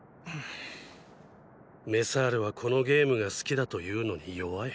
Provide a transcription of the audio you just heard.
メサールはこのゲームが好きだというのに弱い。